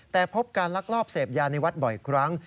แต่พบการลักลอบเสพยาในวัดบ่อยครั้ง